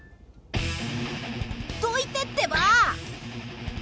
どいてってば！